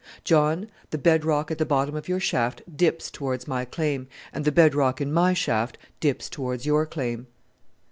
"John, the bed rock at the bottom of your shaft dips towards my claim, and the bed rock in my shaft dips towards your claim."